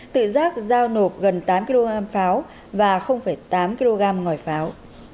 tự giác giao nộp gần tám kg pháo và tám kg ngòi pháo